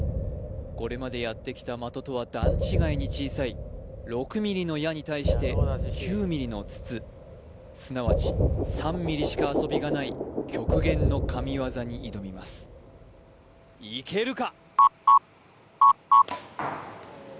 これまでやってきた的とは段違いに小さい６ｍｍの矢に対して９ｍｍの筒すなわち３ｍｍしか遊びがない極限の神業に挑みますいけるか？